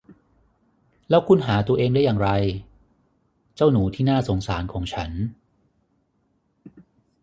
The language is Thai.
แล้วคุณหาตัวเองได้อย่างไร เจ้าหนูที่น่าสงสารของฉัน